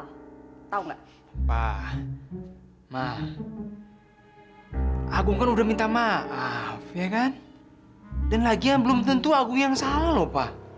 lo perginya kemana aja sih lo ah